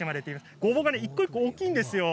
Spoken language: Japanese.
ごぼうが一個一個大きいんですよ。